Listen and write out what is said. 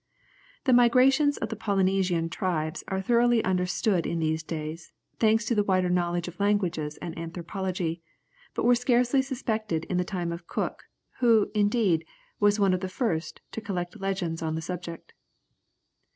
The migrations of the Polynesian tribes are thoroughly understood in these days, thanks to the wider knowledge of languages and anthropology, but they were scarcely suspected in the time of Cook, who, indeed, was one of the first to collect legends on the subject.